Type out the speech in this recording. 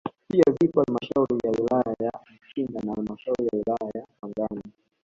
Pia zipo halmashauri ya wilaya ya Mkinga na halmashauri ya wilaya ya Pangani